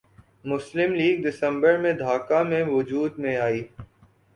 مسلم لیگ دسمبر میں ڈھاکہ میں وجود میں آئی